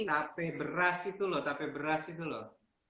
tape beras itu loh tape beras itu loh